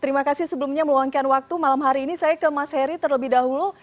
terima kasih sebelumnya meluangkan waktu malam hari ini saya ke mas heri terlebih dahulu